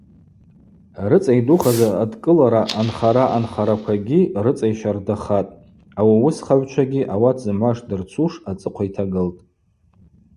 Рыцӏа йдухаз адкӏылара анхара анархараквагьи рыцӏа йщардахатӏ, ауи ауысхагӏвчвагьи ауат зымгӏва шдырцуш ацӏыхъва йтагылтӏ.